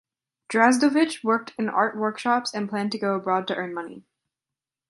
Drazdovich worked in art workshops and planned to go abroad to earn money.